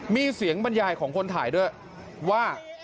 มีเสียงบรรยายของคนถ่ายด้วยว่า